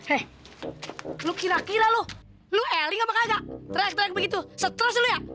eh lu kira kira lu lu eling apa kagak teriak teriak begitu stress lu ya